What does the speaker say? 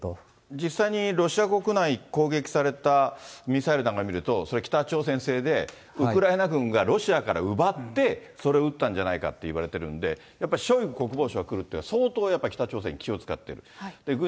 実際にロシア国内、攻撃されたミサイルなんか見ると北朝鮮製で、ウクライナ軍がロシアから奪って、それを売ったんじゃないかといわれてるんで、やっぱりショイグ国防相が来るって、相当やっぱり北朝鮮に気を遣ってる。